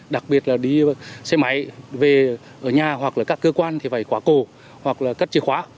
đặc biệt là đi xe máy về ở nhà hoặc là các cơ quan thì phải khóa cổ hoặc là cắt chìa khóa